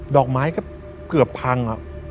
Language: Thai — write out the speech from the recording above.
ดอกไม้ก็เกือบพัง